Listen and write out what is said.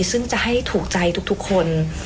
ซึ่งจะให้ถูกใจทุกคน